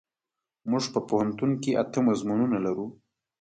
مونږ په پوهنتون کې اته مضمونونه لرو.